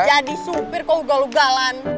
jadi supir kok lugal lugalan